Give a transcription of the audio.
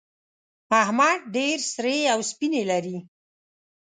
احمد ډېر سرې او سپينې لري.